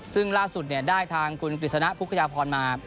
ซึ่งล่าสุดเนี้ยได้ทางคุณกฤษนะพุทธกระพมา